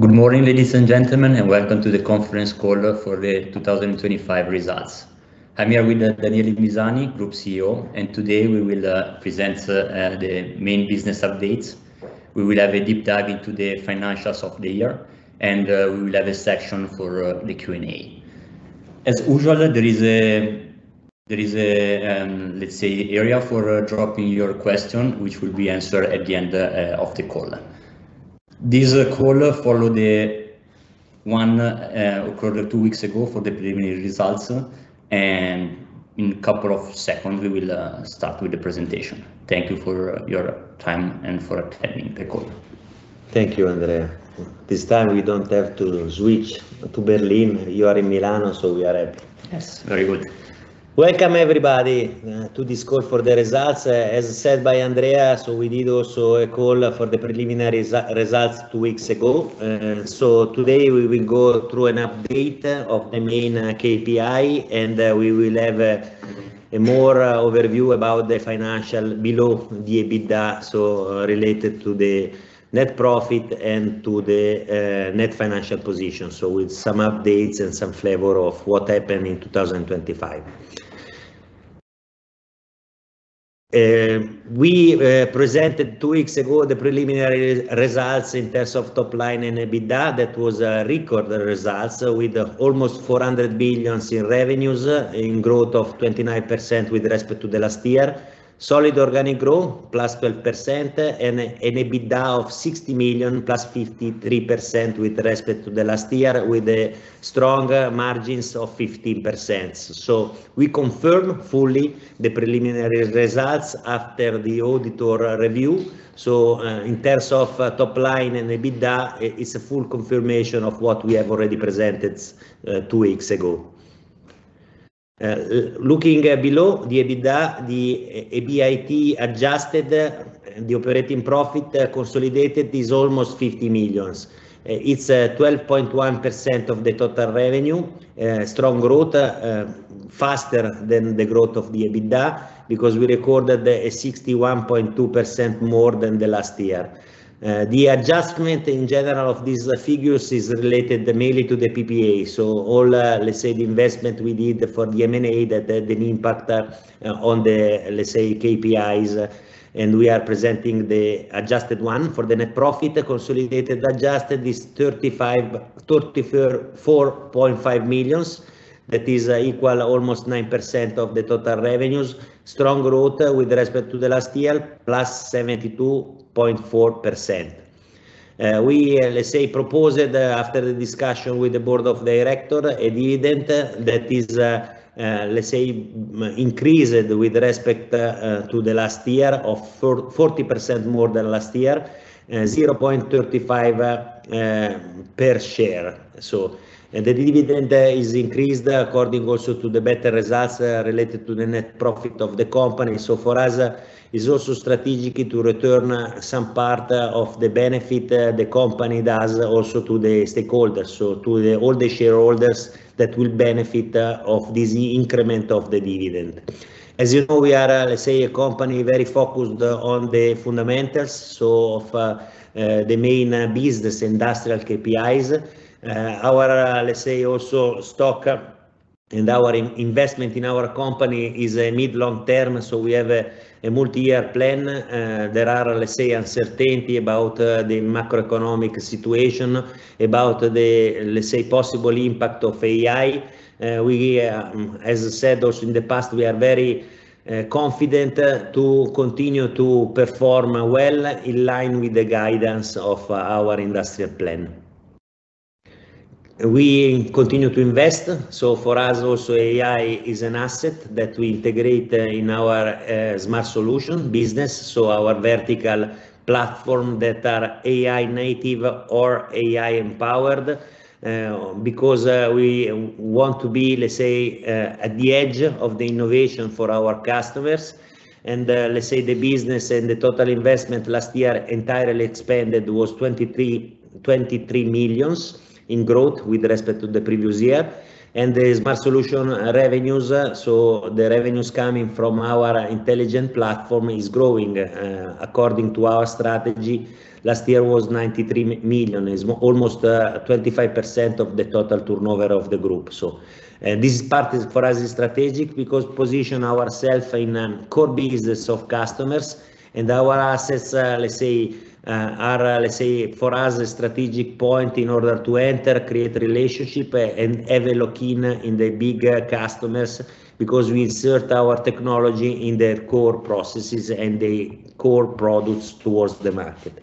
Good morning, ladies and gentlemen, and welcome to the Conference Call for the 2025 Results. I'm here with Daniele Misani, Group CEO, and today we will present the main business updates. We will have a deep dive into the financials of the year, and we will have a section for the Q&A. As usual, there is a let's say area for dropping your question, which will be answered at the end of the call. This call follow the one occurred two weeks ago for the preliminary results, and in a couple of seconds, we will start with the presentation. Thank you for your time and for attending the call. Thank you, Andrea. This time we don't have to switch to Berlin. You are in Milano, so we are happy. Yes. Very good. Welcome everybody to this call for the results. As said by Andrea, we did also a call for the preliminary results two weeks ago. Today we will go through an update of the main KPI, and we will have a more overview about the financial below the EBITDA, related to the net profit and to the net financial position. With some updates and some flavor of what happened in 2025. We presented two weeks ago the preliminary results in terms of top line and EBITDA. That was record results with almost 400 million in revenues in growth of 29% with respect to the last year. Solid organic growth +12%, and EBITDA of 60 million, +53% with respect to last year, with stronger margins of 15%. We confirm fully the preliminary results after the auditor review. In terms of top line and EBITDA, it's a full confirmation of what we have already presented two weeks ago. Looking below the EBITDA, the EBIT adjusted, the consolidated operating profit is almost 50 million. It's 12.1% of the total revenue. Strong growth faster than the growth of the EBITDA, because we recorded 61.2% more than last year. The adjustment in general of these figures is related mainly to the PPA. All, let's say, the investment we did for the M&A that had an impact on the, let's say, KPIs, and we are presenting the adjusted one. For the net profit consolidated, adjusted is 34.5 million. That is equal almost 9% of the total revenues. Strong growth with respect to the last year, +72.4%. We, let's say, proposed after the discussion with the Board of Directors, a dividend that is, let's say, increased with respect to the last year of 40% more than last year, 0.35 per share. The dividend is increased according also to the better results related to the net profit of the company. For us, it's also strategic to return some part of the benefit the company does also to the stakeholders, so to all the shareholders that will benefit of this increment of the dividend. As you know, we are, let's say, a company very focused on the fundamentals of the main business industrial KPIs. Our, let's say, also stock and our investment in our company is a mid long term. We have a multi-year plan. There are, let's say, uncertainty about the macroeconomic situation, about the possible impact of AI. As I said also in the past, we are very confident to continue to perform well in line with the guidance of our industrial plan. We continue to invest. For us, also, AI is an asset that we integrate in our Smart Solution business. Our vertical platform that are AI native or AI empowered, because we want to be, let's say, at the edge of the innovation for our customers. Let's say, the business and the total investment last year entirely expanded was 23 million in growth with respect to the previous year. The Smart Solution revenues, so the revenues coming from our intelligent platform is growing according to our strategy. Last year was 93 million, is almost 25% of the total turnover of the group. This part is for us is strategic because position ourself in a core business of customers. Our assets, let's say, are, let's say, for us, a strategic point in order to enter, create relationship and have a lock-in in the big customers, because we insert our technology in their core processes and the core products towards the market.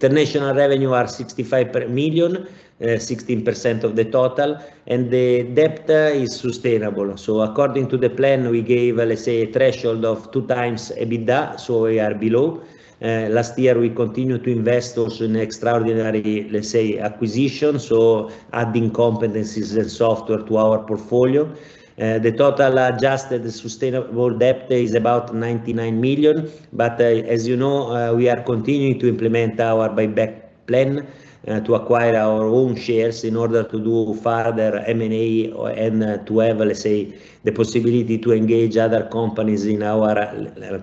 International revenue are 65 million, 16% of the total, and the debt is sustainable. According to the plan, we gave, let's say, a threshold of 2x EBITDA, so we are below. Last year, we continued to invest also in extraordinary, let's say, acquisitions, so adding competencies and software to our portfolio. The total adjusted sustainable debt is about 99 million. As you know, we are continuing to implement our buyback plan to acquire our own shares in order to do further M&A and to have, let's say, the possibility to engage other companies in our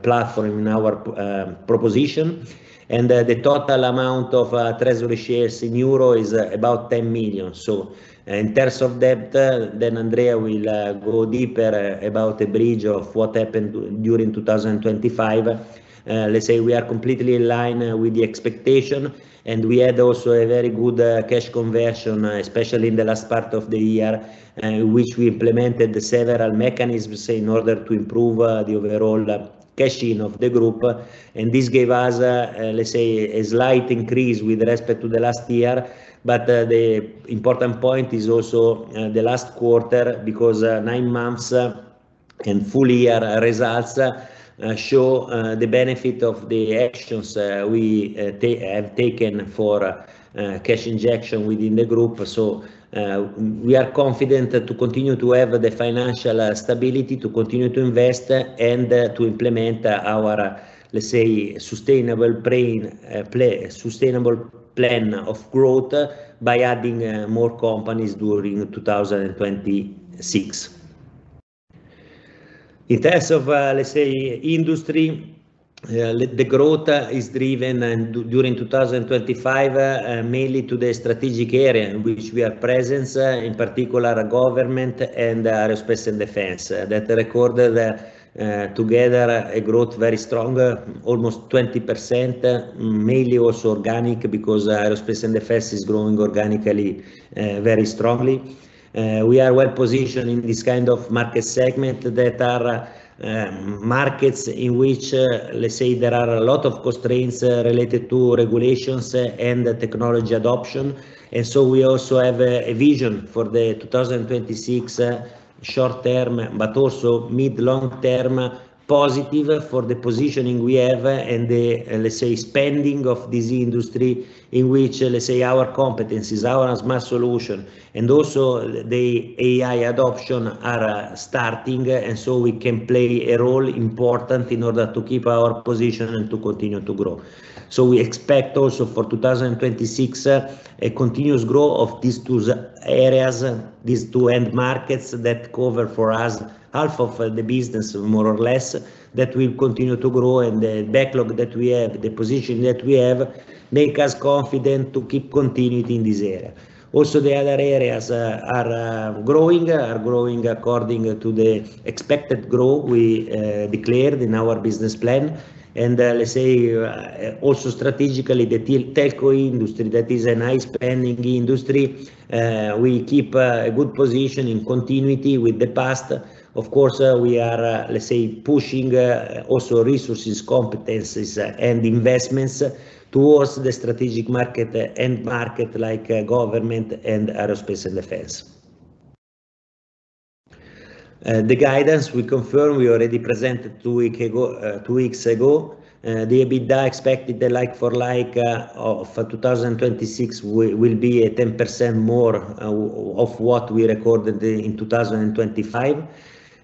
platform, in our proposition. The total amount of treasury shares in euro is about 10 million. In terms of debt, then Andrea will go deeper about the bridge of what happened during 2025. Let's say we are completely in line with the expectation, and we had also a very good cash conversion, especially in the last part of the year, which we implemented several mechanisms in order to improve the overall cash in of the group. This gave us, let's say, a slight increase with respect to the last year. The important point is also the last quarter, because nine months and full year results show the benefit of the actions we have taken for cash injection within the group. We are confident to continue to have the financial stability, to continue to invest and to implement our, let's say, sustainable plan of growth by adding more companies during 2026. In terms of, let's say, industry, the growth is driven during 2025 mainly due to the strategic areas in which we are present, in particular government and aerospace and defense, that recorded together a growth very strong, almost 20%, mainly also organic because aerospace and defense is growing organically very strongly. We are well positioned in this kind of market segment that are markets in which, let's say, there are a lot of constraints related to regulations and technology adoption. We also have a vision for 2026, short term, but also mid long term positive for the positioning we have and the, let's say, spending of this industry in which, let's say, our competencies, our Smart Solution and also the AI adoption are starting. We can play a role important in order to keep our position and to continue to grow. We expect also for 2026 a continuous growth of these two areas, these two end markets that cover for us half of the business, more or less, that will continue to grow. The backlog that we have, the position that we have, make us confident to keep continuing in this area. Also, the other areas are growing according to the expected growth we declared in our business plan. Let's say also strategically, the telco industry, that is a nice pending industry. We keep a good position in continuity with the past. Of course, we are, let's say, pushing also resources, competencies and investments towards the strategic market, end market like government and aerospace and defense. The guidance we confirm we already presented two weeks ago. The EBITDA expected the like-for-like of 2026 will be a 10% more of what we recorded in 2025.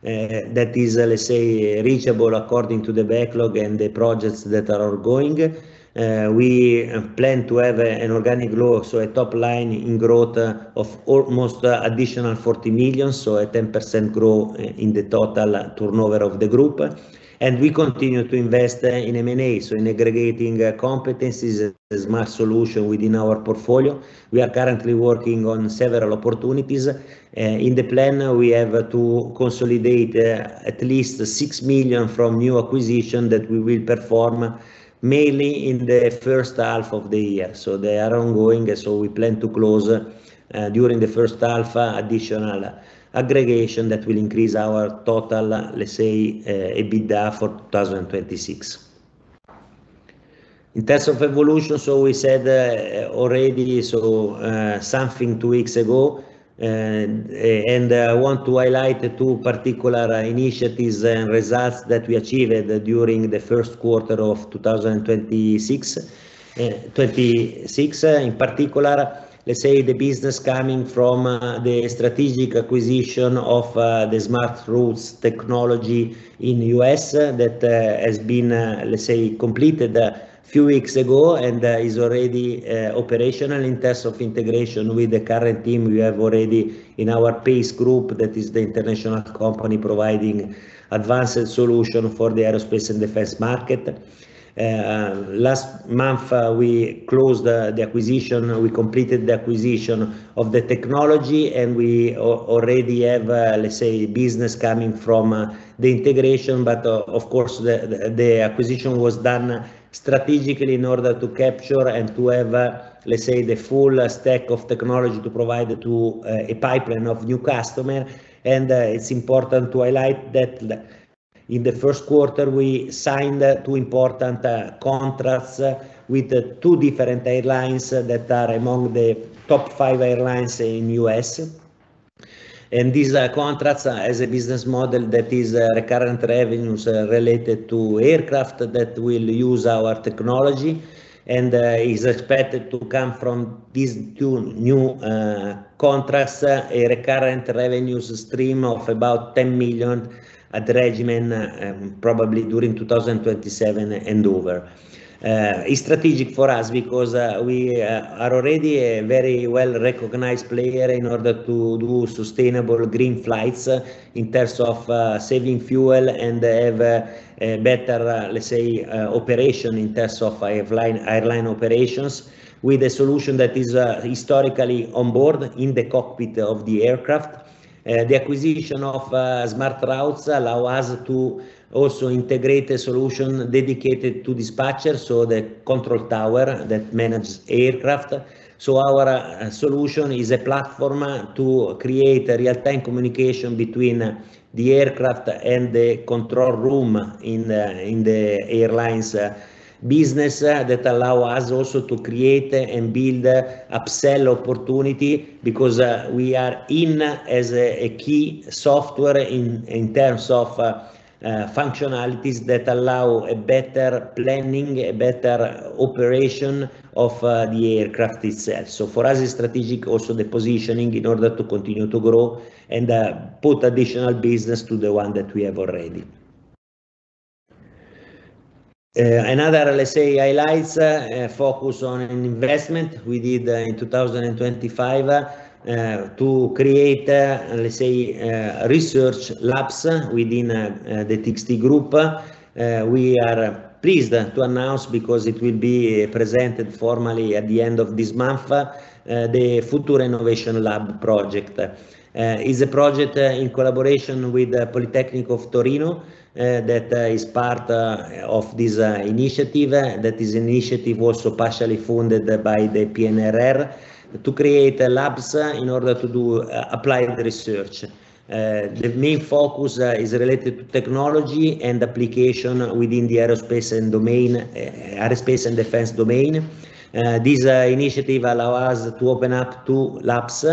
That is, let's say reachable according to the backlog and the projects that are ongoing. We plan to have an organic growth, a top line in growth of almost additional 40 million. A 10% growth in the total turnover of the group. We continue to invest in M&A, in aggregating competencies as Smart Solutions within our portfolio. We are currently working on several opportunities. In the plan we have to consolidate at least 6 million from new acquisition that we will perform mainly in the first half of the year. They are ongoing. We plan to close during the first half additional aggregation that will increase our total, let's say, EBITDA for 2026. In terms of evolution, we said already something two weeks ago, and I want to highlight two particular initiatives and results that we achieved during the first quarter of 2026. In particular, let's say the business coming from the strategic acquisition of the SmartRoutes technology in the U.S. that has been let's say completed a few weeks ago and is already operational. In terms of integration with the current team we have already in our PACE group, that is the international company providing advanced solution for the aerospace and defense market. Last month, we closed the acquisition, we completed the acquisition of the technology, and we already have, let's say business coming from the integration. Of course the acquisition was done strategically in order to capture and to have, let's say, the full stack of technology to provide to a pipeline of new customer. It's important to highlight that in the first quarter we signed two important contracts with two different airlines that are among the top five airlines in U.S. These contracts as a business model that is recurrent revenues related to aircraft that will use our technology and is expected to come from these two new contracts, a recurrent revenues stream of about 10 million at regime, probably during 2027 and over. It is strategic for us because we are already a very well-recognized player in order to do sustainable green flights in terms of saving fuel and have a better, let's say, operation in terms of airline operations with a solution that is historically on board in the cockpit of the aircraft. The acquisition of SmartRoutes allow us to also integrate a solution dedicated to dispatchers, so the control tower that manages aircraft. Our solution is a platform to create real-time communication between the aircraft and the control room in the airline's business. That allow us also to create and build upsell opportunity because we are in as a key software in terms of functionalities that allow a better planning, a better operation of the aircraft itself. For us, strategic also the positioning in order to continue to grow and put additional business to the one that we have already. Another, let's say, highlights, focus on an investment we did in 2025 to create, let's say, research labs within the TXT Group. We are pleased to announce because it will be presented formally at the end of this month. The Futura Innovation Lab project is a project in collaboration with the Politecnico di Torino that is part of this initiative. That initiative also partially funded by the PNRR to create labs in order to do applied research. The main focus is related to technology and application within the aerospace and defense domain. This initiative allows us to open up two labs,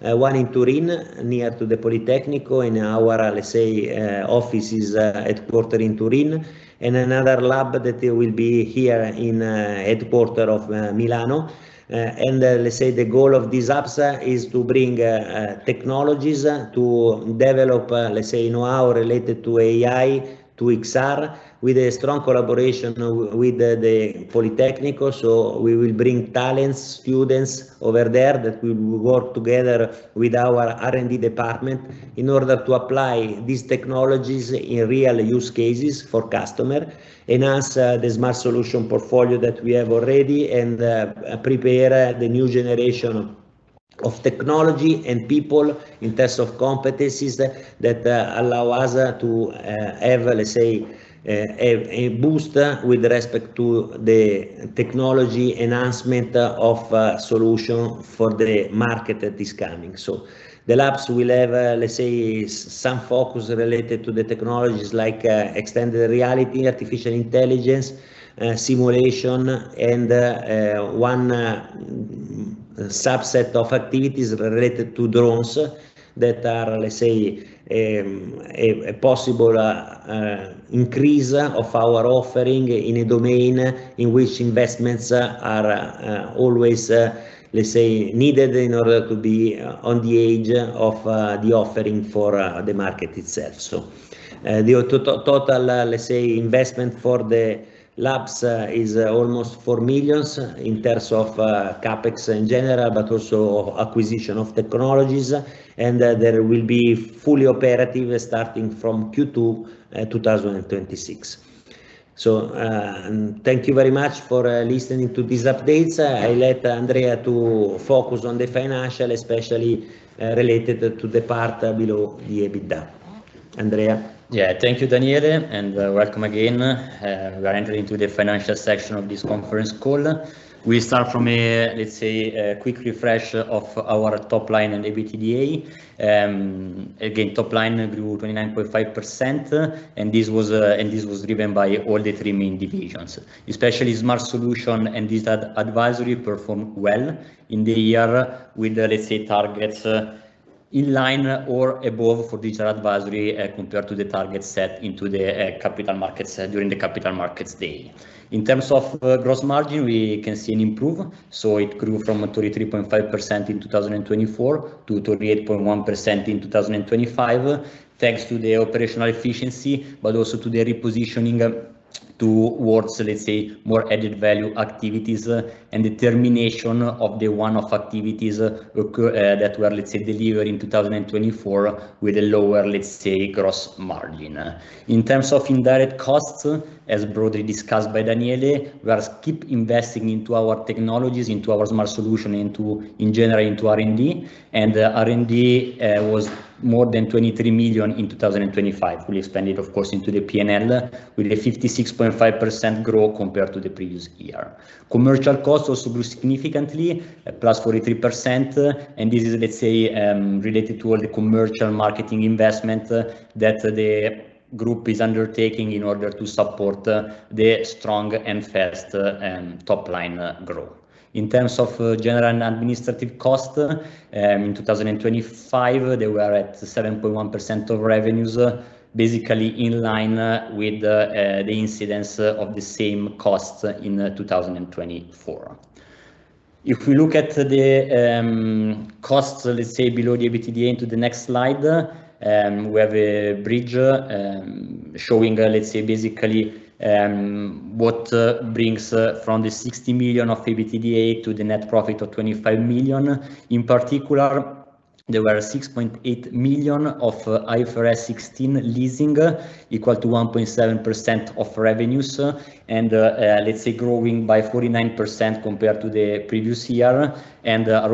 one in Turin, near the Politecnico in our, let's say, offices, headquarters in Turin, and another lab that will be here in headquarters of Milano. Let's say the goal of these labs is to bring technologies to develop, let's say, you know, new related to AI, to XR with a strong collaboration with the Politecnico. We will bring talents, students over there that will work together with our R&D department in order to apply these technologies in real use cases for customer. Enhance the Smart Solutions portfolio that we have already and prepare the new generation of technology and people in terms of competencies that allow us to have, let's say, a boost with respect to the technology enhancement of solutions for the market that is coming. The labs will have, let's say, some focus related to the technologies like extended reality, artificial intelligence, simulation, and one subset of activities related to drones that are, let's say, a possible increase of our offering in a domain in which investments are always, let's say, needed in order to be on the edge of the offering for the market itself. The total, let's say, investment for the labs is almost 4 million in terms of CapEx in general, but also acquisition of technologies. They will be fully operative starting from Q2 2026. Thank you very much for listening to these updates. I let Andrea to focus on the financial, especially, related to the part below the EBITDA. Andrea. Yeah. Thank you, Daniele, and welcome again. We are entering into the financial section of this conference call. We start from, let's say, a quick refresh of our top line and EBITDA. Again, top line grew 29.5%, and this was driven by all the three main divisions, especially Smart Solutions and Digital Advisory performed well in the year with, let's say, targets in line or above for Digital Advisory, compared to the targets set in the Capital Markets Day. In terms of gross margin, we can see an improve. It grew from 33.5% in 2024 to 38.1% in 2025, thanks to the operational efficiency, but also to the repositioning towards, let's say, more added value activities and the termination of the one-off activities that were, let's say, delivered in 2024 with a lower, let's say, gross margin. In terms of indirect costs, as broadly discussed by Daniele, we keep investing into our technologies, into our Smart Solutions, into, in general, into R&D. R&D was more than 23 million in 2025. We'll expand it, of course, into the P&L with a 56.5% growth compared to the previous year. Commercial costs also grew significantly, +43%, and this is, let's say, related to all the commercial marketing investment that the group is undertaking in order to support the strong and fast top-line growth. In terms of general and administrative costs, in 2025, they were at 7.1% of revenues, basically in line with the incidence of the same costs in 2024. If we look at the costs, let's say below the EBITDA into the next slide, we have a bridge showing, let's say basically, what brings from the 60 million of EBITDA to the net profit of 25 million. In particular, there were 6.8 million of IFRS 16 leasing equal to 1.7% of revenues and, let's say growing by 49% compared to the previous year.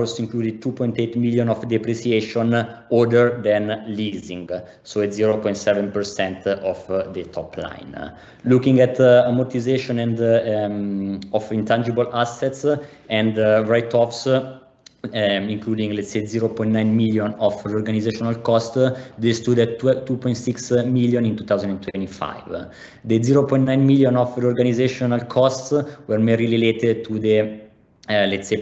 Also included 2.8 million of depreciation other than leasing, so at 0.7% of the top line. Looking at the amortization and of intangible assets and write-offs, including, let's say, 0.9 million of organizational costs, this stood at 2.6 million in 2025. The 0.9 million of organizational costs were mainly related to the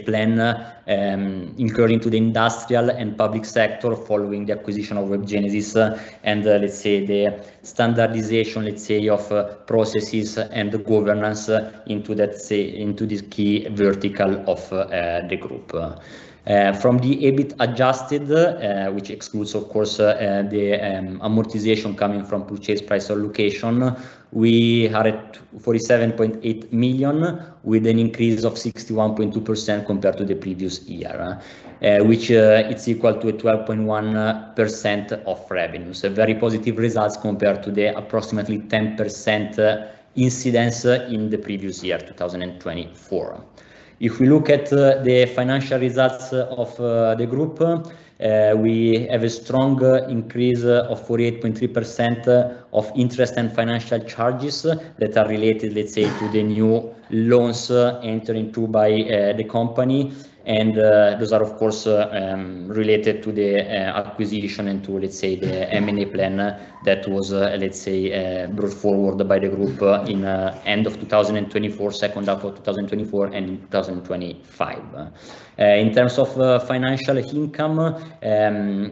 plan, including to the industrial and public sector following the acquisition of Webgenesys and, let's say the standardization, let's say of processes and governance into, let's say, into this key vertical of the group. From the EBIT adjusted, which excludes of course the amortization coming from purchase price allocation. We had 47.8 million with an increase of 61.2% compared to the previous year, which is equal to a 12.1% of revenue. Very positive results compared to the approximately 10% incidence in the previous year, 2024. If we look at the financial results of the group, we have a strong increase of 48.3% of interest and financial charges that are related, let's say, to the new loans entered into by the company. Those are of course related to the acquisition into, let's say, the M&A plan that was, let's say, brought forward by the group in end of 2024, second half of 2024 and 2025. In terms of financial income,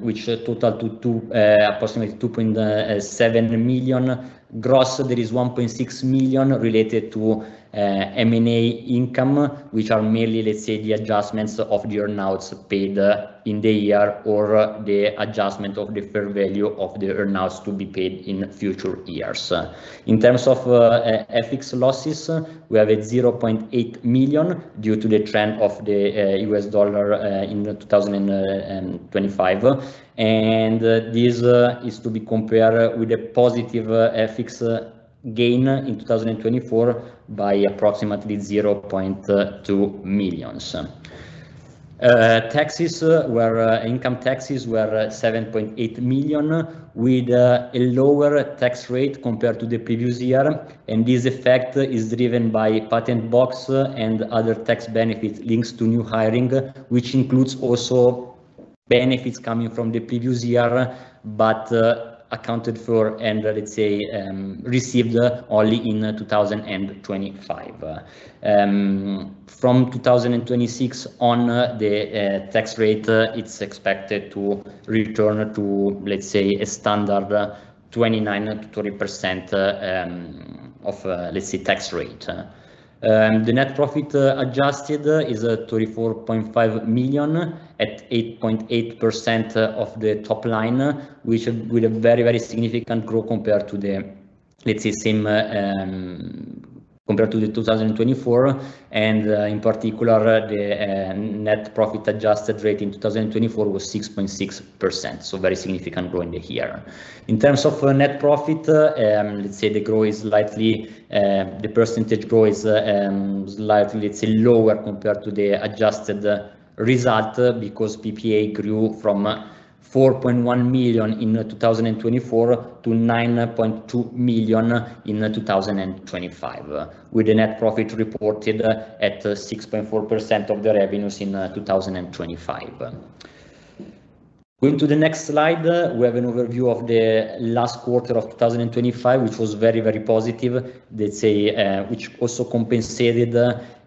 which total to approximately 2.7 million gross. There is 1.6 million related to M&A income, which are mainly, let's say, the adjustments of the earnouts paid in the year or the adjustment of the fair value of the earnouts to be paid in future years. In terms of FX losses, we have 0.8 million due to the trend of the U.S. dollar in 2025. This is to be compared with a positive FX gain in 2024 by approximately 0.2 million. Income taxes were 7.8 million, with a lower tax rate compared to the previous year, and this effect is driven by Patent Box and other tax benefits linked to new hiring, which includes also benefits coming from the previous year, but accounted for and let's say, received only in 2025. From 2026 onwards, the tax rate, it's expected to return to, let's say, a standard 29%-30%, let's say, tax rate. The net profit adjusted is 34.5 million at 8.8% of the top line, which with a very, very significant growth compared to 2024, and in particular, the net profit adjusted rate in 2024 was 6.6%. Very significant growth in the year. In terms of net profit, let's say the growth is slightly, the percentage growth is slightly, let's say, lower compared to the adjusted result because PPA grew from 4.1 million in 2024 to 9.2 million in 2025, with the net profit reported at 6.4% of the revenues in 2025. Going to the next slide, we have an overview of the last quarter of 2025, which was very, very positive, let's say, which also compensated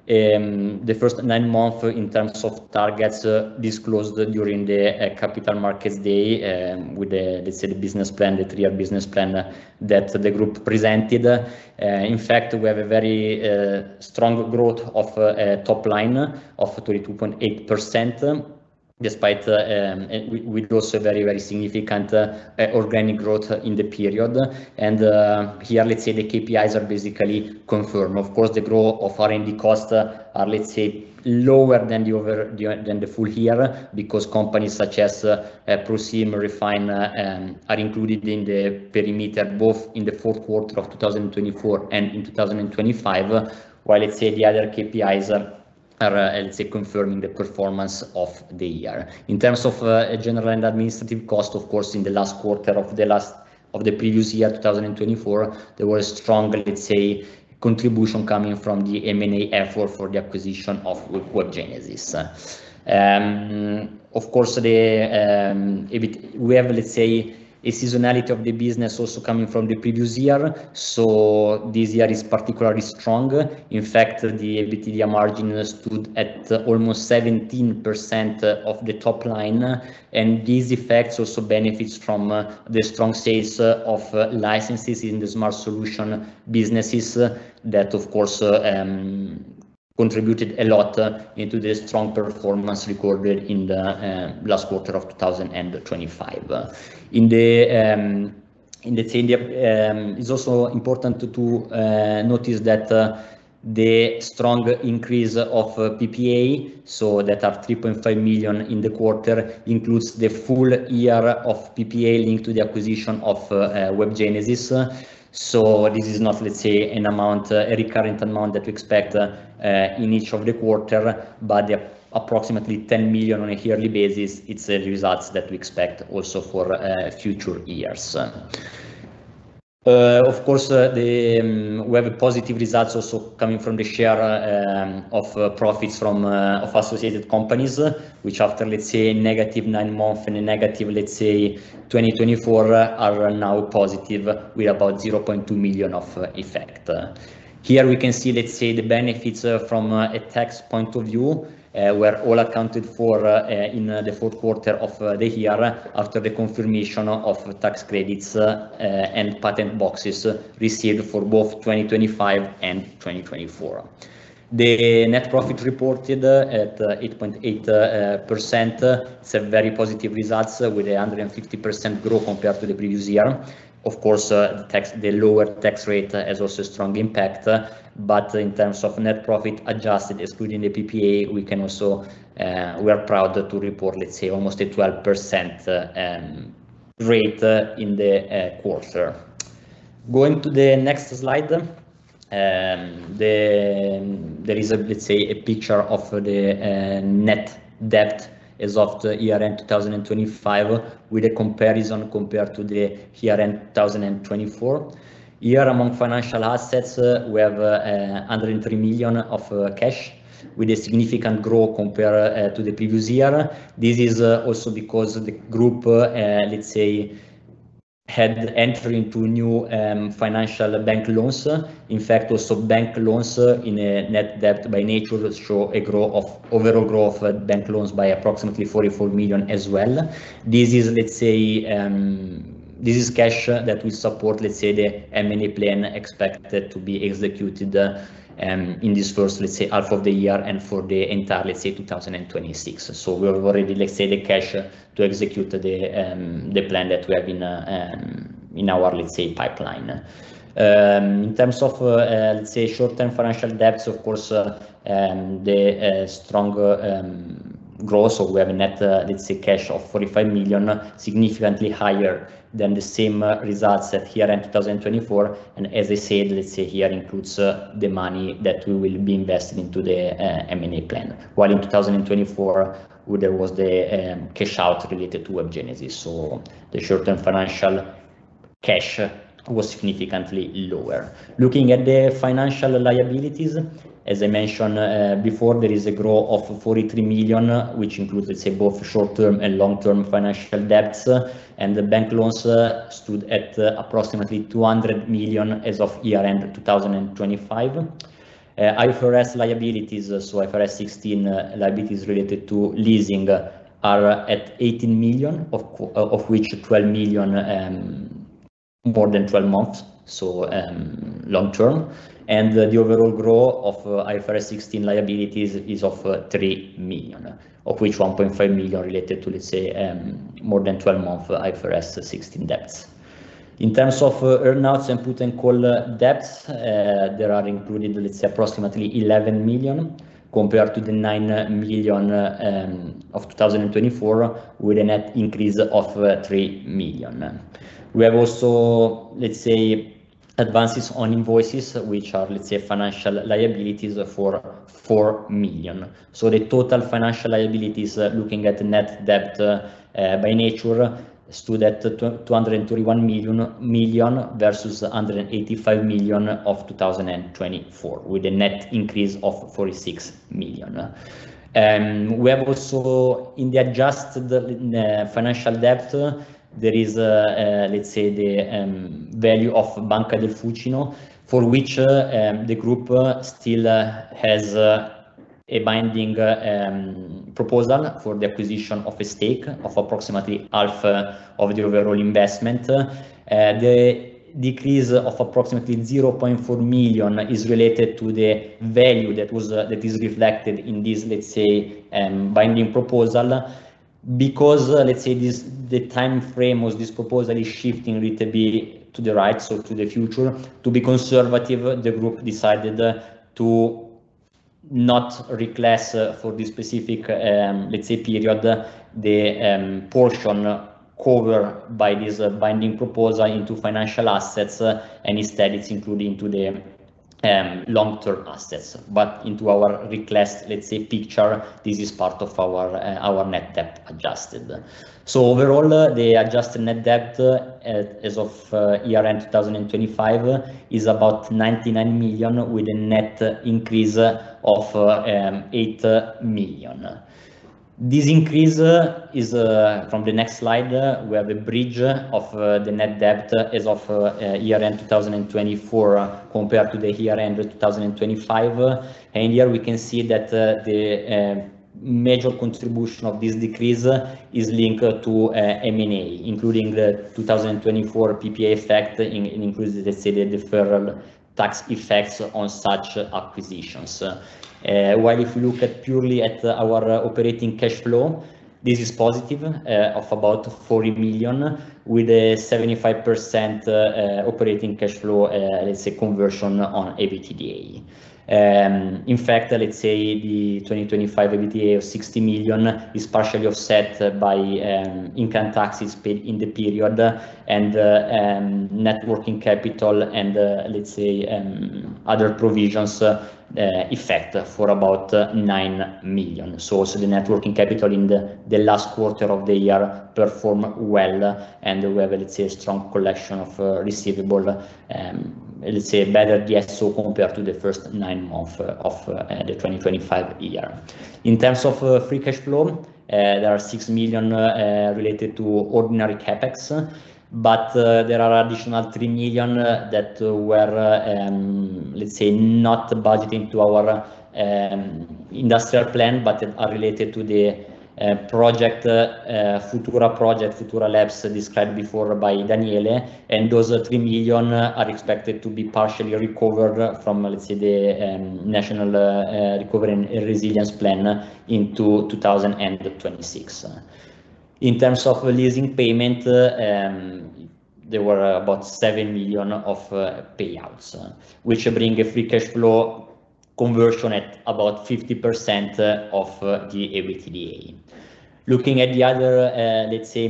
the first nine months in terms of targets disclosed during the Capital Markets Day, with let's say the business plan, the three-year business plan that the group presented. In fact, we have a very strong growth of top line of 22.8%, despite. We grew so very, very significant organic growth in the period. Here, let's say the KPIs are basically confirmed. Of course, the growth of R&D costs are, let's say, lower than the full year because companies such as ProSim, Refine are included in the perimeter, both in the fourth quarter of 2024 and in 2025. While let's say the other KPIs are confirming the performance of the year. In terms of general and administrative cost, of course, in the last quarter of the previous year, 2024, there was strong, let's say, contribution coming from the M&A effort for the acquisition of Webgenesys. Of course, the EBIT, we have, let's say, a seasonality of the business also coming from the previous year. This year is particularly strong. In fact, the EBITDA margin stood at almost 17% of the top line, and this effect also benefits from the strong sales of licenses in the Smart Solutions businesses that of course contributed a lot to the strong performance recorded in the last quarter of 2025. In the 10-year--it's also important to notice that the strong increase of PPA, so that of 3.5 million in the quarter, includes the full year of PPA linked to the acquisition of Webgenesys. This is not, let's say, an amount, a recurrent amount that we expect in each of the quarter, but approximately 10 million on a yearly basis, it's the results that we expect also for future years. Of course, we have positive results also coming from the share of profits from associated companies, which after negative nine months and a negative 2024, are now positive with about 0.2 million of effect. Here we can see the benefits from a tax point of view were all accounted for in the fourth quarter of the year after the confirmation of tax credits and Patent Box received for both 2025 and 2024. The net profit reported at 8.8%, it's a very positive results with 150% growth compared to the previous year. Of course, the lower tax rate has also a strong impact. In terms of net profit adjusted excluding the PPA, we can also, we are proud to report, let's say, almost a 12% rate in the quarter. Going to the next slide, there is a, let's say, a picture of the net debt as of the year-end 2025 with a comparison to the year-end 2024. Here among financial assets, we have 103 million of cash with a significant growth compared to the previous year. This is also because the group, let's say, entered into new bank loans. In fact, bank loans in a net debt by nature show a growth of overall bank loans by approximately 44 million as well. This is cash that will support, let's say, the M&A plan expected to be executed, in this first, let's say, half of the year and for the entire, let's say, 2026. We have already, let's say, the cash to execute the plan that we have in our, let's say, pipeline. In terms of, let's say, short-term financial debts, of course, the stronger growth, so we have a net, let's say, cash of 45 million, significantly higher than the same results at year-end 2024. As I said, let's say, here includes the money that we will be investing into the M&A plan. While in 2024, there was the cash out related to Webgenesys. The short-term financial cash was significantly lower. Looking at the financial liabilities, as I mentioned before, there is a growth of 43 million, which includes, let's say, both short-term and long-term financial debts, and the bank loans stood at approximately 200 million as of year-end 2025. IFRS liabilities, so IFRS 16 liabilities related to leasing are at 18 million, of which 12 million more than 12 months, long-term. The overall growth of IFRS 16 liabilities is of 3 million, of which 1.5 million related to, let's say, more than 12-month IFRS 16 debts. In terms of earnouts and put and call debts, there are included, let's say, approximately 11 million compared to the 9 million of 2024 with a net increase of 3 million. We have also, let's say, advances on invoices, which are, let's say, financial liabilities for 4 million. The total financial liabilities, looking at net debt, by nature, stood at 231 million versus 185 million of 2024 with a net increase of 46 million. We have also in the adjusted financial debt, there is a, let's say, the value of Banca del Fucino for which the group still has a binding proposal for the acquisition of a stake of approximately half of the overall investment. The decrease of approximately 0.4 million is related to the value that is reflected in this, let's say, binding proposal. Let's say, this, the timeframe of this proposal is shifting a little bit to the right, so to the future, to be conservative, the group decided to not reclass for this specific, let's say, period the portion covered by this binding proposal into financial assets, and instead it's included into the long-term assets. Into our reclassed, let's say, picture, this is part of our adjusted net debt. Overall, the adjusted net debt as of year-end 2025 is about 99 million with a net increase of 8 million. This increase is from the next slide where the bridge of the net debt as of year-end 2024 compared to the year-end 2025. Here we can see that the major contribution of this decrease is linked to M&A, including the 2024 PPA effect, including let's say the deferred tax effects on such acquisitions. While if you look at purely at our operating cash flow, this is positive of about 40 million with a 75% operating cash flow, let's say, conversion on EBITDA. In fact, let's say the 2025 EBITDA of 60 million is partially offset by income taxes paid in the period and net working capital and, let's say, other provisions effect for about 9 million. Also the net working capital in the last quarter of the year performed well, and we have, let's say, a strong collection of receivables. Let's say, better DSO compared to the first nine months of the 2025 year. In terms of free cash flow, there are 6 million related to ordinary CapEx, but there are additional 3 million that were, let's say, not budgeted in our industrial plan, but are related to the Futura Labs project described before by Daniele. Those 3 million are expected to be partially recovered from, let's say, the National Recovery and Resilience Plan in 2026. In terms of leasing payments, there were about 7 million of payouts, which bring a free cash flow conversion at about 50% of the EBITDA. Looking at the other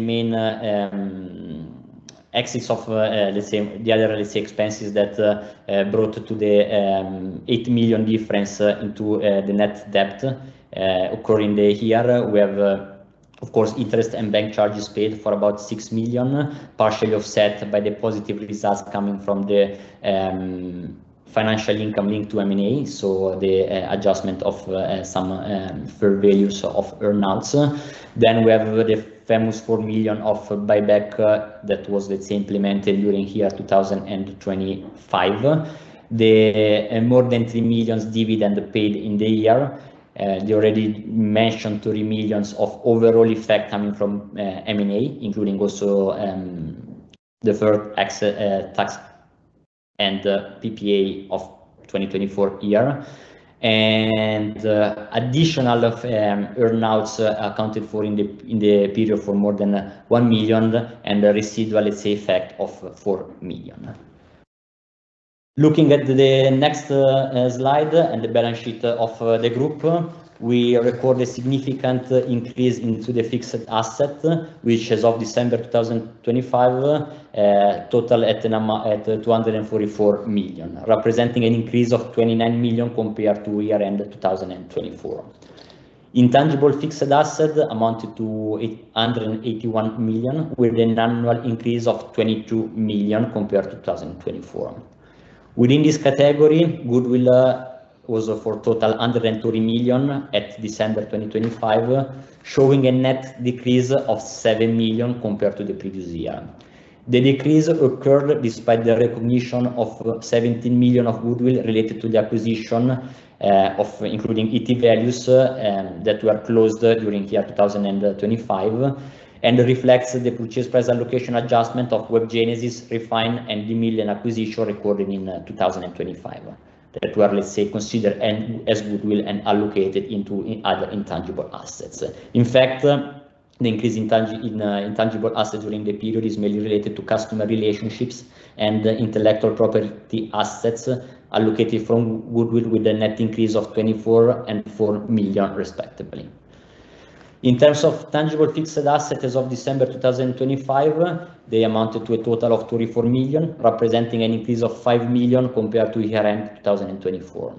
main items of the other expenses that brought the 8 million difference in the net debt occurring here, we have, of course, interest and bank charges paid for about 6 million, partially offset by the positive results coming from the financial income linked to M&A, so the adjustment of some fair values of earn-outs. We have the famous 4 million of buyback that was implemented during year 2025. The more than 3 million dividend paid in the year. The already mentioned 3 million of overall effect coming from M&A, including also deferred tax and PPA of 2024, and additional earn-outs accounted for in the period for more than 1 million, and the residual, let's say, effect of 4 million. Looking at the next slide and the balance sheet of the group, we record a significant increase into the fixed asset, which as of December 2025 total at 244 million, representing an increase of 29 million compared to year-end 2024. Intangible fixed asset amounted to 881 million, with an annual increase of 22 million compared to 2024. Within this category, goodwill totaled under 30 million at December 2025, showing a net decrease of 7 million compared to the previous year. The decrease occurred despite the recognition of 17 million of goodwill related to the acquisition, including IT Values, that were closed during year 2025, and reflects the purchase price allocation adjustment of Webgenesys, Refine, and the Imille acquisition recorded in 2025 that were, let's say, considered as goodwill and allocated into other intangible assets. In fact, the increase in intangible assets during the period is mainly related to customer relationships and intellectual property assets allocated from goodwill with a net increase of 24 and 4 million, respectively. In terms of tangible fixed assets as of December 2025, they amounted to a total of 34 million, representing an increase of 5 million compared to year-end 2024.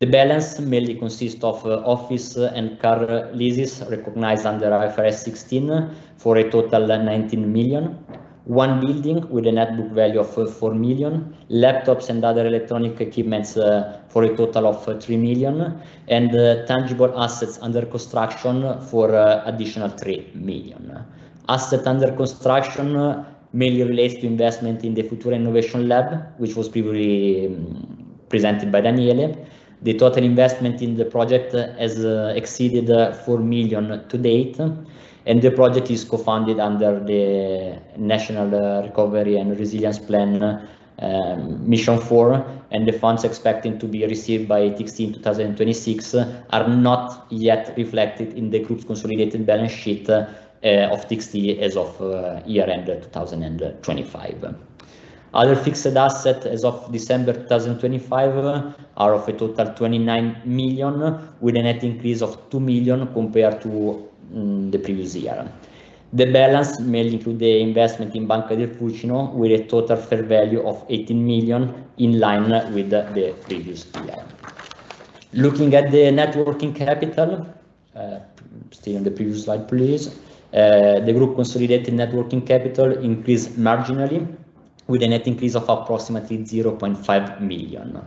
The balance mainly consists of office and car leases recognized under IFRS 16 for a total of 19 million, one building with a net book value of 4 million, laptops and other electronic equipment for a total of 3 million, and tangible assets under construction for additional 3 million. Assets under construction mainly relates to investment in the Futura Innovation Lab, which was previously presented by Daniele. The total investment in the project has exceeded 4 million to date, and the project is co-funded under the National Recovery and Resilience Plan, Mission 4, and the funds expecting to be received by TXT in 2026 are not yet reflected in the group's consolidated balance sheet of TXT as of year-end 2025. Other fixed assets as of December 2025 are of a total 29 million, with a net increase of 2 million compared to the previous year. The balance mainly include the investment in Banca del Fucino, with a total fair value of 18 million, in line with the previous year. Looking at the net working capital, stay on the previous slide, please. The group consolidated net working capital increased marginally, with a net increase of approximately 0.5 million.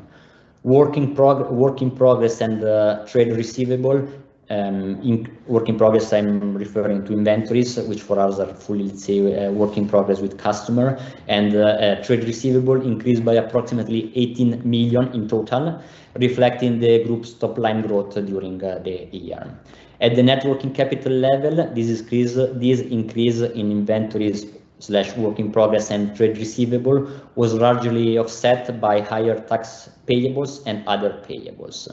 Work in progress and trade receivable. In work in progress, I'm referring to inventories, which for us are fully, let's say, work in progress with customer. Trade receivable increased by approximately 18 million in total, reflecting the group's top line growth during the year. At the net working capital level, this increase in inventories/work in progress and trade receivable was largely offset by higher tax payables and other payables.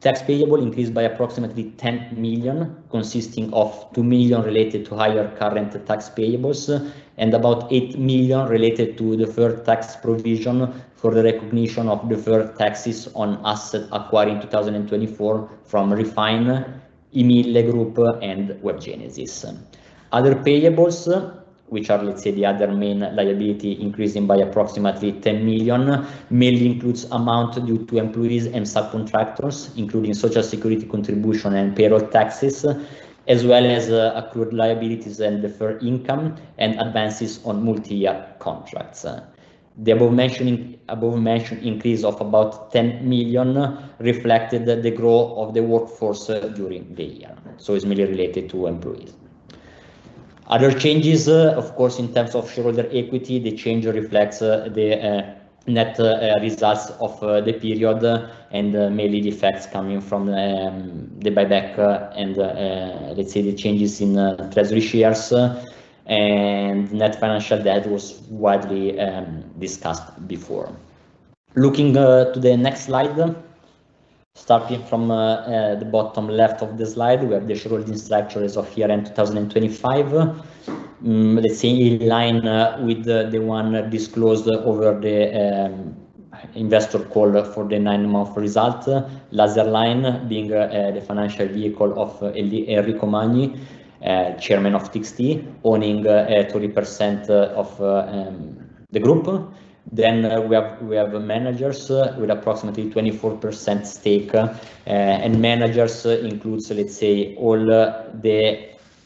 Tax payable increased by approximately 10 million, consisting of 2 million related to higher current tax payables, and about 8 million related to deferred tax provision for the recognition of deferred taxes on asset acquired in 2024 from Refine, Imille, and Webgenesys S.p.A. Other payables, which are, let's say, the other main liability increasing by approximately 10 million, mainly includes amount due to employees and subcontractors, including social security contribution and payroll taxes, as well as, accrued liabilities and deferred income and advances on multi-year contracts. The above mentioned increase of about 10 million reflected the growth of the workforce during the year. It's mainly related to employees. Other changes, of course, in terms of shareholder equity, the change reflects the net results of the period and mainly the effects coming from the buyback and, let's say, the changes in treasury shares, and net financial debt was widely discussed before. Looking to the next slide, starting from the bottom left of the slide, we have the shareholding structure as of year-end 2025. Let's say in line with the one disclosed over the investor call for the nine-month result. Laserline being the financial vehicle of Enrico Magni, Chairman of TXT, owning 30% of the group. Then we have managers with approximately 24% stake. Management includes, let's say, all the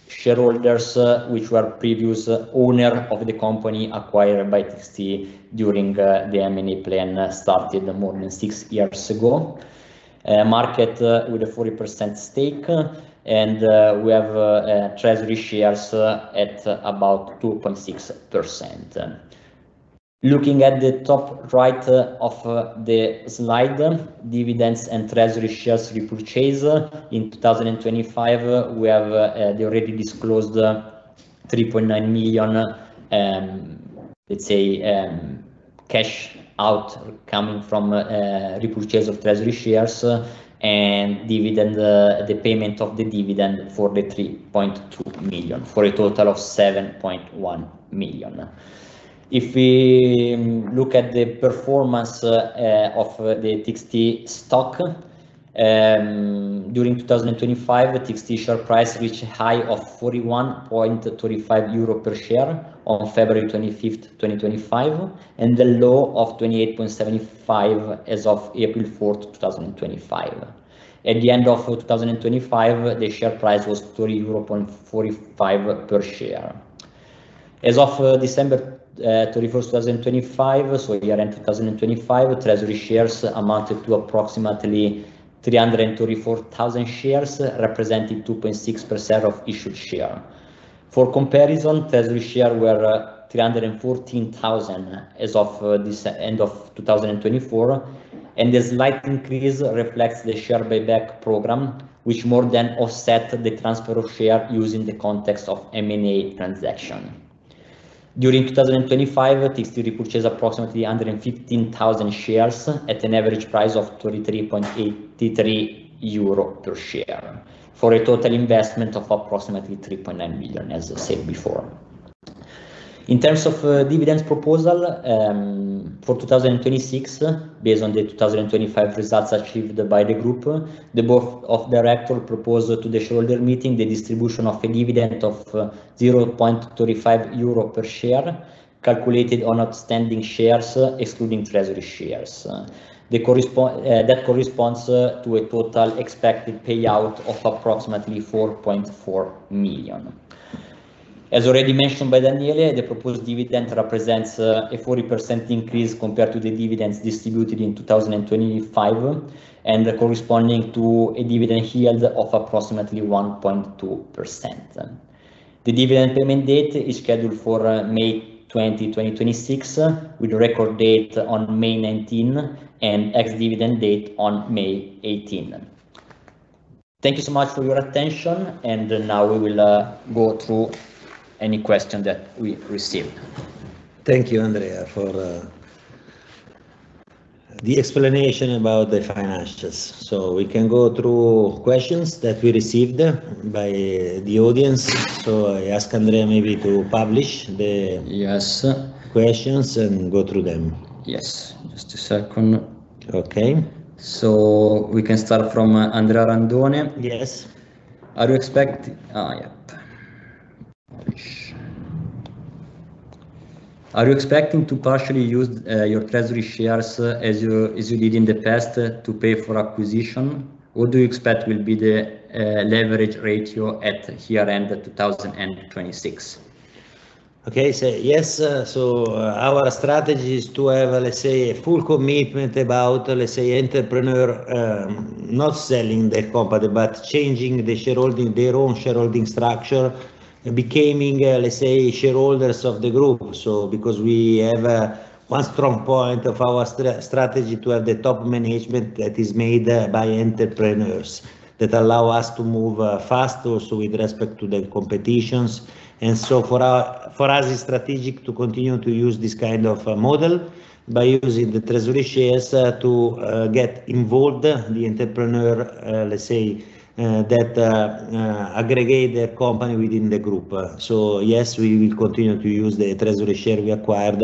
shareholders which were previous owners of the company acquired by TXT during the M&A plan started more than six years ago. Free float with a 40% stake. We have treasury shares at about 2.6%. Looking at the top right of the slide, dividends and treasury shares repurchase. In 2025, we have the already disclosed 3.9 million, let's say, cash out coming from repurchase of treasury shares and dividend, the payment of the dividend for the 3.2 million, for a total of 7.1 million. If we look at the performance of the TXT stock during 2025, the TXT share price reached a high of 41.25 euro per share on February 25, 2025, and a low of 28.75 as of April 4, 2025. At the end of 2025, the share price was 30.45 euro per share. As of December 31, 2025, so year-end 2025, treasury shares amounted to approximately 334,000 shares, representing 2.6% of issued shares. For comparison, treasury shares were 314,000 as of the end of 2024, and the slight increase reflects the share buyback program, which more than offset the transfer of shares used in the context of M&A transaction. During 2025, TXT repurchased approximately 115,000 shares at an average price of 23.83 euro per share for a total investment of approximately 3.9 million, as I said before. In terms of dividends proposal, for 2026, based on the 2025 results achieved by the group, the Board of Director proposed to the shareholder meeting the distribution of a dividend of 0.25 euro per share, calculated on outstanding shares, excluding treasury shares. That corresponds to a total expected payout of approximately 4.4 million. As already mentioned by Daniele, the proposed dividend represents a 40% increase compared to the dividends distributed in 2025 and corresponding to a dividend yield of approximately 1.2%. The dividend payment date is scheduled for May 20, 2026, with the record date on May 19 and ex-dividend date on May 18. Thank you so much for your attention, and now we will go through any question that we received. Thank you, Andrea, for the explanation about the financials. We can go through questions that we received from the audience. I ask Andrea maybe to publish the questions and go through them. Yes. Just a second. Okay. We can start from Andrea Randone. Yes. Are you expecting to partially use your treasury shares as you did in the past to pay for acquisition? What do you expect will be the leverage ratio at year-end 2026? Yes. Our strategy is to have, let's say, a full commitment about, let's say, entrepreneur not selling their company, but changing the shareholding, their own shareholding structure, becoming, let's say, shareholders of the group. Because we have one strong point of our strategy to have the top management that is made by entrepreneurs that allow us to move fast also with respect to the competitors. For us, it's strategic to continue to use this kind of a model by using the treasury shares to get involved the entrepreneur, let's say, that aggregate the company within the group. Yes, we will continue to use the treasury share we acquired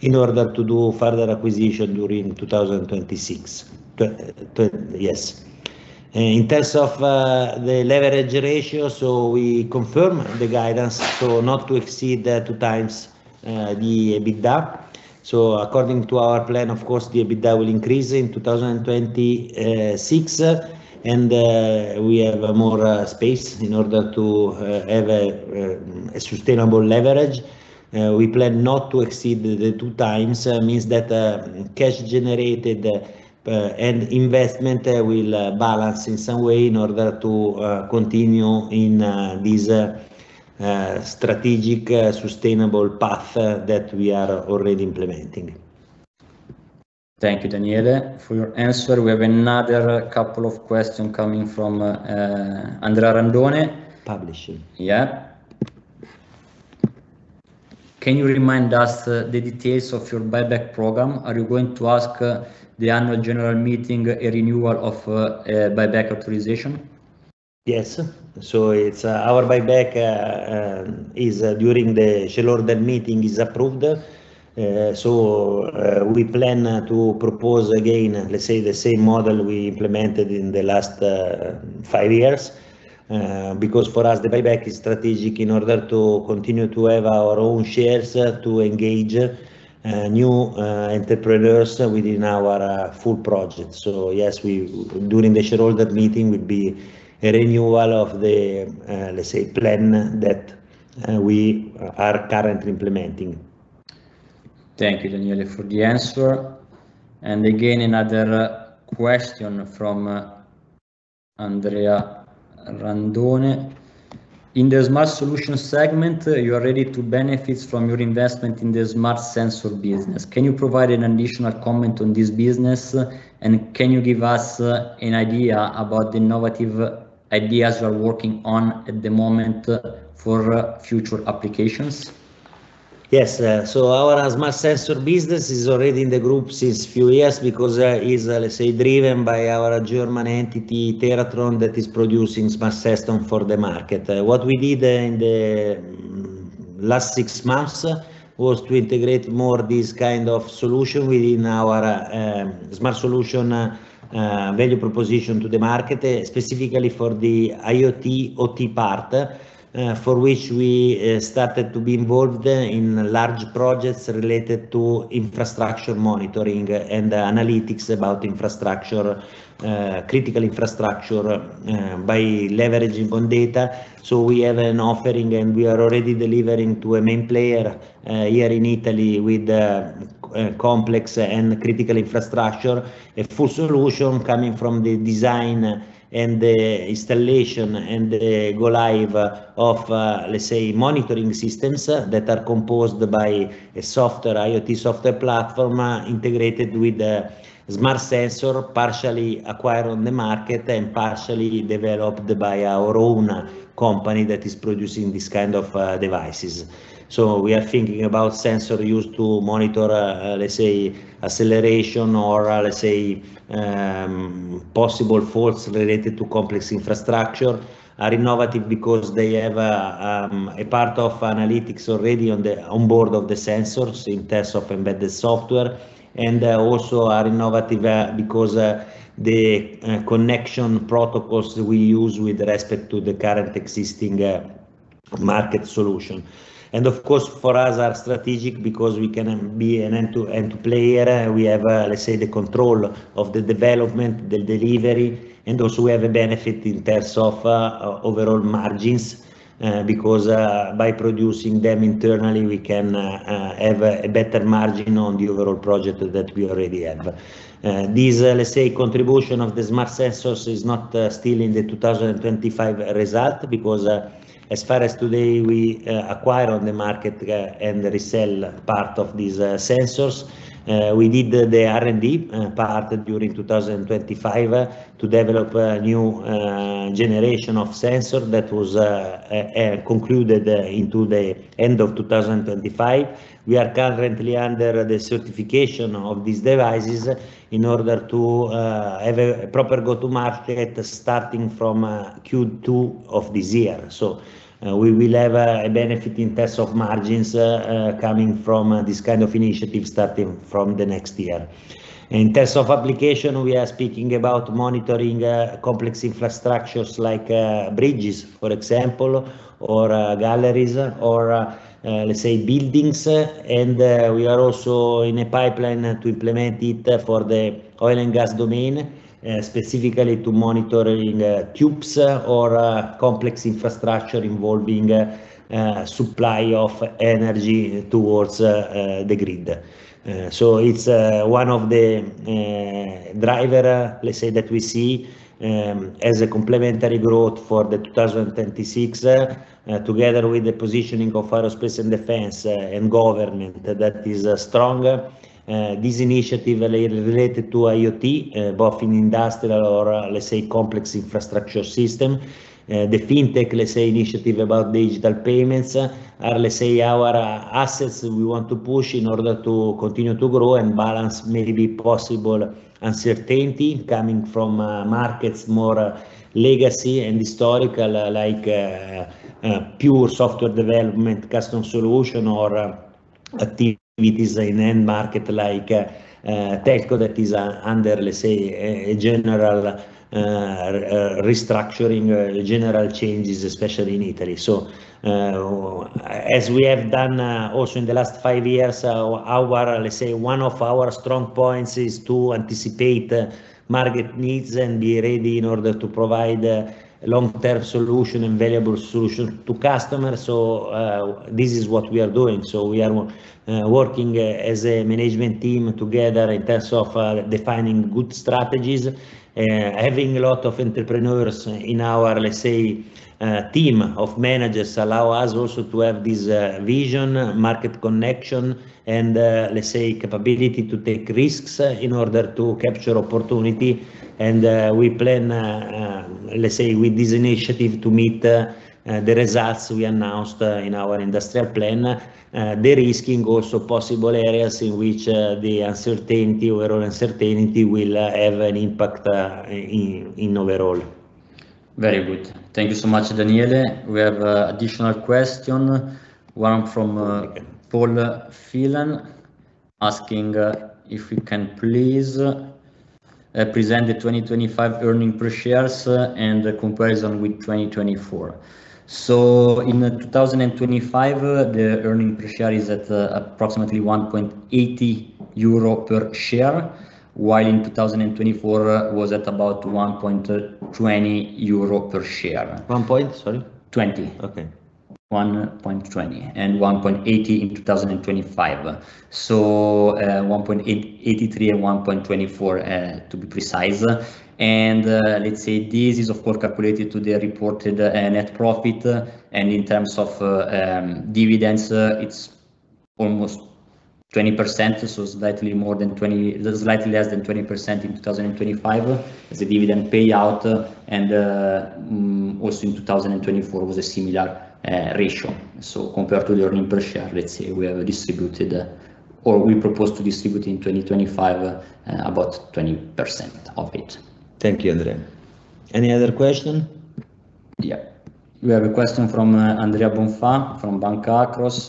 in order to do further acquisition during 2026. Yes. In terms of the leverage ratio, we confirm the guidance, not to exceed 2x the EBITDA. According to our plan, of course, the EBITDA will increase in 2026. We have more space in order to have a sustainable leverage. We plan not to exceed 2x, means that cash generated and investment will balance in some way in order to continue in this strategic sustainable path that we are already implementing. Thank you, Daniele, for your answer. We have another couple of questions coming from Andrea Randone. Publishing. Yeah. Can you remind us, the details of your buyback program? Are you going to ask, the Annual General Meeting a renewal of, buyback authorization? Yes. Our buyback is approved during the shareholder meeting. We plan to propose again, let's say, the same model we implemented in the last five years. Because for us the buyback is strategic in order to continue to have our own shares to engage new entrepreneurs within our Futura project. Yes, during the shareholder meeting would be a renewal of the, let's say, plan that we are currently implementing. Thank you, Daniele, for the answer. Again, another question from Andrea Randone. In the Smart Solutions segment, you are ready to benefit from your investment in the Smart Sensors business. Can you provide an additional comment on this business? Can you give us an idea about the innovative ideas you are working on at the moment for future applications? Yes, our Smart Sensors business is already in the group since few years because is, let's say, driven by our German entity, TeraTron, that is producing smart system for the market. What we did in the last six months was to integrate more this kind of solution within our Smart Solutions value proposition to the market, specifically for the IoT OT part, for which we started to be involved in large projects related to infrastructure monitoring and analytics about infrastructure, critical infrastructure, by leveraging on data. We have an offering, and we are already delivering to a main player here in Italy with complex and critical infrastructure. A full solution coming from the design and the installation and go live of, let's say, monitoring systems that are composed by a software, IoT software platform integrated with a Smart Sensor, partially acquired on the market and partially developed by our own company that is producing this kind of, devices. We are thinking about sensor used to monitor, let's say, acceleration or, let's say, possible faults related to complex infrastructure. They are innovative because they have, a part of analytics already on the board of the sensors in terms of embedded software, and also are innovative, because, the, connection protocols we use with respect to the current existing, market solution. Of course, for us are strategic because we can be an end-to-end player. We have, let's say, the control of the development, the delivery, and also we have a benefit in terms of overall margins, because by producing them internally, we can have a better margin on the overall project that we already have. This, let's say, contribution of the Smart Sensors is not still in the 2025 result because, as far as today, we acquire on the market and resell part of these sensors. We did the R&D part during 2025 to develop a new generation of sensor that was concluded into the end of 2025. We are currently under the certification of these devices in order to have a proper go-to-market starting from Q2 of this year. We will have a benefit in terms of margins coming from this kind of initiative starting from the next year. In terms of application, we are speaking about monitoring complex infrastructures like bridges, for example, or galleries or let's say, buildings. We are also in a pipeline to implement it for the oil and gas domain, specifically to monitoring tubes or complex infrastructure involving supply of energy towards the grid. It's one of the driver, let's say, that we see as a complementary growth for 2026 together with the positioning of aerospace and defense and government that is stronger. This initiative related to IoT both in industrial or let's say, complex infrastructure system. The fintech, let's say, initiative about digital payments are, let's say, our assets we want to push in order to continue to grow and balance maybe possible uncertainty coming from markets more legacy and historical, like pure software development, custom solution or activities in end market like telco that is under, let's say, a general restructuring, general changes, especially in Italy. As we have done also in the last five years, our let's say one of our strong points is to anticipate the market needs and be ready in order to provide a long-term solution and valuable solution to customers. This is what we are doing. We are working as a management team together in terms of defining good strategies, having a lot of entrepreneurs in our, let's say, team of managers allow us also to have this vision, market connection and, let's say, capability to take risks in order to capture opportunity. We plan, let's say, with this initiative to meet the results we announced in our industrial plan, de-risking also possible areas in which the uncertainty, overall uncertainty will have an impact in overall. Very good. Thank you so much, Daniele. We have additional question, one from Paul Phelan, asking if you can please present the 2025 earnings per share and the comparison with 2024. In 2025, the earnings per share is at approximately 1.80 euro per share, while in 2024 was at about 1.20 euro per share. One point, sorry? 20. Okay. 1.20 and 1.80 in 2025. 1.83 and 1.24, to be precise. Let's say this is of course calculated to the reported net profit. In terms of dividends, it's almost 20%, so slightly more than 20%. Slightly less than 20% in 2025 as a dividend payout. Also in 2024 was a similar ratio. Compared to the earnings per share, let's say we have distributed or we propose to distribute in 2025, about 20% of it. Thank you, Andrea. Any other question? Yeah. We have a question from Andrea Bonfà from Banca Akros.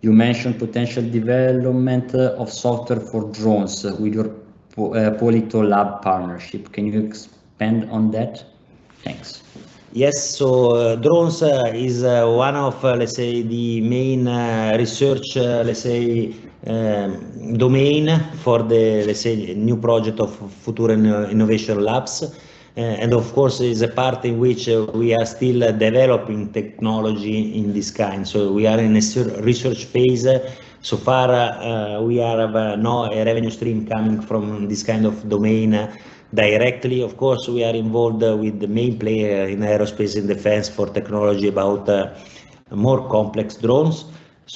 You mentioned potential development of software for drones with your PoliTO Lab partnership. Can you expand on that? Thanks. Yes. Drones is one of, let's say, the main research, let's say, domain for the, let's say, new project of Futura Innovation Labs. Of course, is a part in which we are still developing technology in this kind. We are in a research phase. So far, we have no revenue stream coming from this kind of domain directly. Of course, we are involved with the main player in aerospace and defense for technology about more complex drones.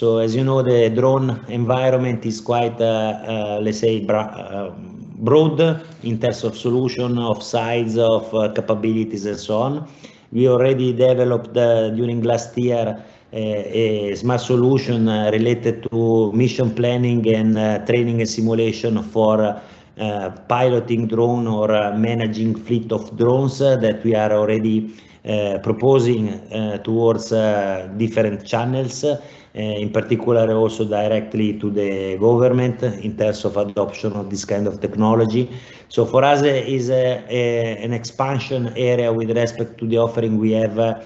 As you know, the drone environment is quite, let's say, broad in terms of solution, of size, of capabilities and so on. We already developed during last year a Smart Solution related to mission planning and training and simulation for piloting drone or managing fleet of drones that we are already proposing towards different channels in particular also directly to the government in terms of adoption of this kind of technology. For us is an expansion area with respect to the offering we have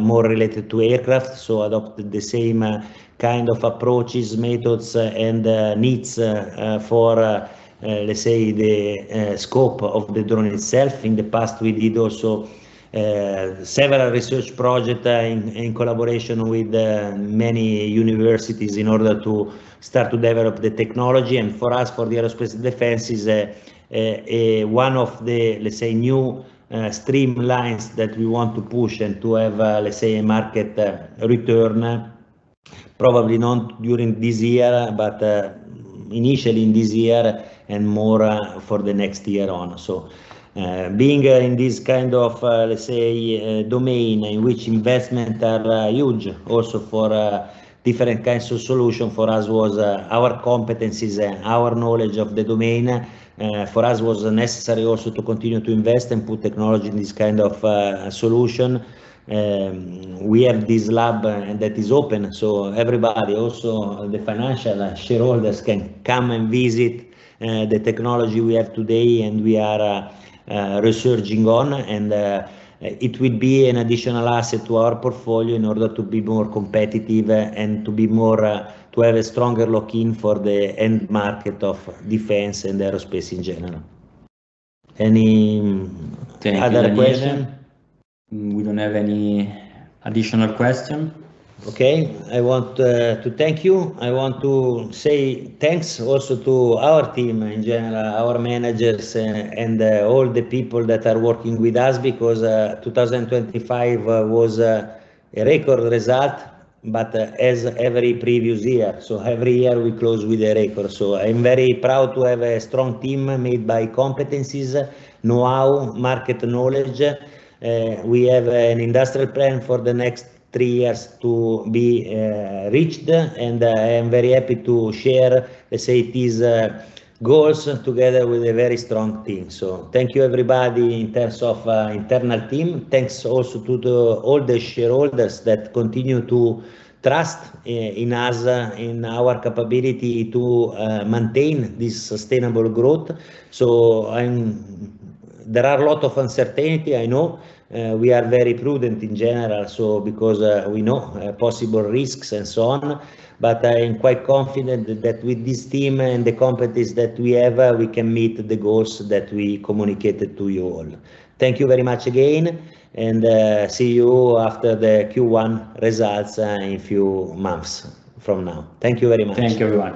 more related to aircraft. Adopt the same kind of approaches, methods and needs for let's say the scope of the drone itself. In the past, we did also several research projects in collaboration with many universities in order to start to develop the technology. For us, the aerospace & defense is one of the, let's say, new streamlines that we want to push and to have, let's say, a market return, probably not during this year, but initially in this year and more for the next year on. Being in this kind of, let's say, domain in which investments are huge also for different kinds of solutions for us was our competencies and our knowledge of the domain for us was necessary also to continue to invest and put technology in this kind of solution. We have this lab that is open, so everybody, also the financial shareholders can come and visit the technology we have today and we are researching on. It will be an additional asset to our portfolio in order to be more competitive and to be more, to have a stronger lock-in for the end market of defense and aerospace in general. Any other question? We don't have any additional question. Okay. I want to thank you. I want to say thanks also to our team in general, our managers and all the people that are working with us, because 2025 was a record result, but as every previous year, every year we close with a record. I'm very proud to have a strong team made by competencies, know-how, market knowledge. We have an industrial plan for the next three years to be reached, and I am very happy to share, let's say, these goals together with a very strong team. Thank you everybody in terms of internal team. Thanks also to all the shareholders that continue to trust in us, in our capability to maintain this sustainable growth. I'm-- There are a lot of uncertainty, I know. We are very prudent in general, so because we know possible risks and so on. I am quite confident that with this team and the competencies that we have, we can meet the goals that we communicated to you all. Thank you very much again, and see you after the Q1 results in a few months from now. Thank you very much. Thank you, everyone.